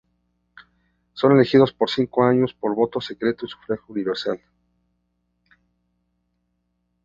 Son elegidos por cinco años por voto secreto y sufragio universal.